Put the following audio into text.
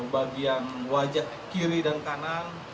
bagian wajah kiri dan kanan